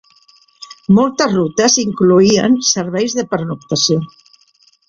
Moltes rutes incloïen serveis de pernoctació.